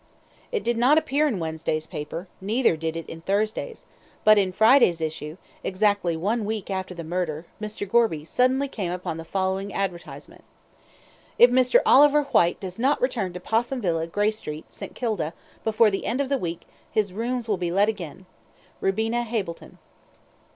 It did not appear in Wednesday's paper, neither did it in Thursday's, but in Friday's issue, exactly one week after the murder, Mr. Gorby suddenly came upon the following advertisement: "If Mr. Oliver Whyte does not return to Possum Villa, Grey Street, St. Kilda, before the end of the week, his rooms will be let again. Rubina Hableton."